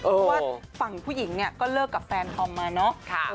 เพราะว่าส่างผู้หญิงเนี่ยก็เลิกกับแฟนทำนะ